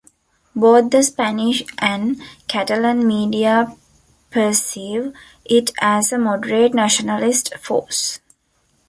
Both the Spanish and Catalan media perceive it as a moderate nationalist force.